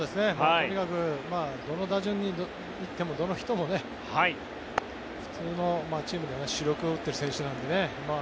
とにかく、どの打順にいてもどの人も普通のチームでは主力を打っている選手なので。